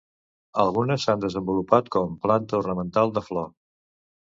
Algunes s'han desenvolupat com planta ornamental de flor.